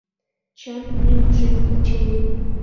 Чын лӱмжӧ, очыни.